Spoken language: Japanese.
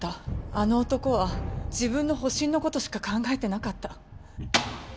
あの男は自分の保身の事しか考えてなかった。